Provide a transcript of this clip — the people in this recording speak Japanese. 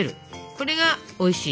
これがおいしい